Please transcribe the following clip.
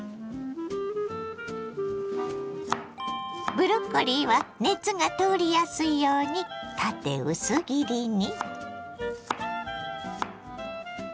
ブロッコリーは熱が通りやすいように縦薄切りに。